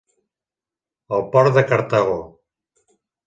El port de Cartago.